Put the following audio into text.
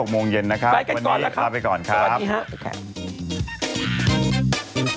มาเร็ว